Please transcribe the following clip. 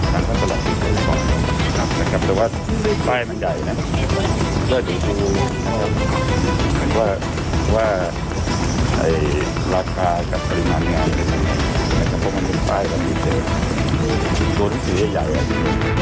ให้ราคากับปริมานงานให้มันเป็นป้ายพอดี